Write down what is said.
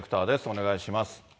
お願いします。